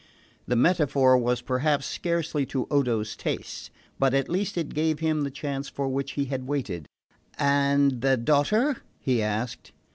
The metaphor was perhaps scarcely to Odo's taste; but at least it gave him the chance for which he had waited. "And the daughter?" he asked.